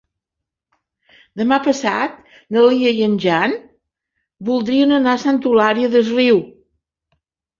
Demà passat na Lia i en Jan voldrien anar a Santa Eulària des Riu.